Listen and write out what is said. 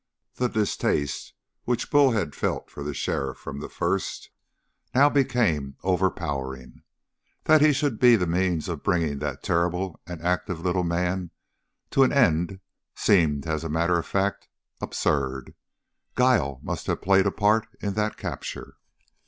The distaste which Bull had felt for the sheriff from the first now became overpowering. That he should be the means of bringing that terrible and active little man to an end seemed, as a matter of fact, absurd. Guile must have played a part in that capture.